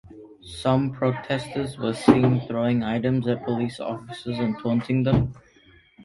Some protesters were seen throwing items at police officers and taunting them.